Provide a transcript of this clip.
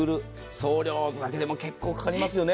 送料だけでも結構かかりますよね。